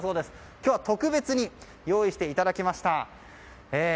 今日は特別に用意していただきました。